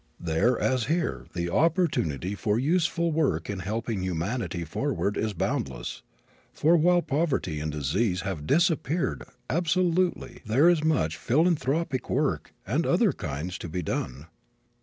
There as here the opportunity for useful work in helping humanity forward is boundless; for while poverty and disease have disappeared absolutely there is much philanthropic work of other kinds to be done.